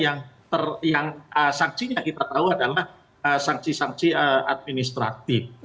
jadi ini adalah satu titik saja yang sanksinya kita tahu adalah sanksi sanksi administratif